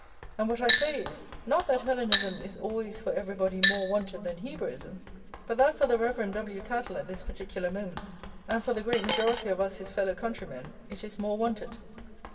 And what I say is, not that Hellenism is always for everybody more wanted than Hebraism, but that for the Rev. W. Cattle at this particular moment, and for the great majority of us his fellow countrymen, it is more wanted.